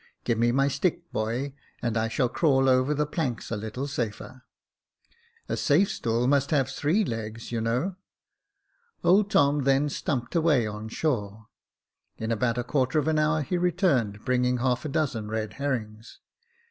Give me my stick, boy, and I shall crawl over the planks a little safer. A safe stool must have three legs, you know." Old Tom then stumped away on shore. In about a quarter of an hour he returned, bringing half a dozen red herrings.